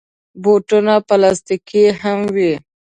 بوټونه پلاستيکي هم وي.